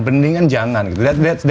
bendingan jangan gitu that's me